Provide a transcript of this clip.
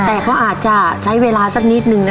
แต่เขาอาจจะใช้เวลาสักนิดนึงนะ